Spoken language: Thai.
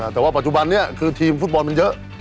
แต่ว่าปัจจุบันนี้คือทีมฟุตบอลมันเยอะ